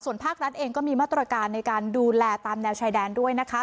ภาครัฐเองก็มีมาตรการในการดูแลตามแนวชายแดนด้วยนะคะ